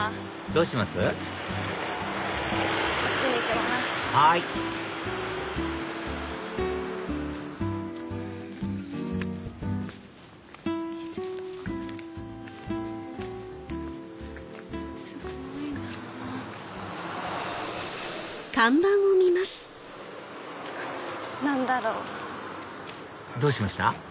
どうしました？